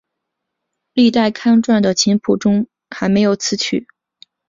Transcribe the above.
历代刊传的琴谱中还没有此曲。